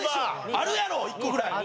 あるやろ１個ぐらい。